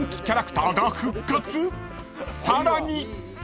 ［さらに！］